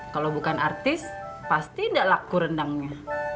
kalau bukan artis pasti tidak laku rendangnya